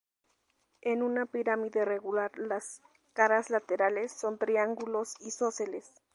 En una pirámide regular, las caras laterales son triángulos isósceles.